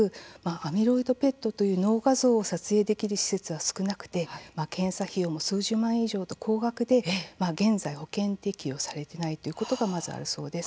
アミロイドＰＥＴという脳画像を撮影できる施設は少なくて検査費用も数十万円以上と高額で現在、保険適用されていないということが、まずあるそうです。